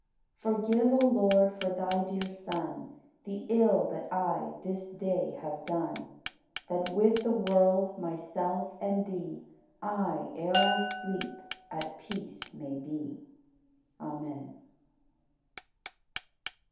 26. Forgive, O Lord, for Thy dear Son The ill that I this day have done. That with the world, myself, and Thee I, ere I sleep, at peace may be. Amen.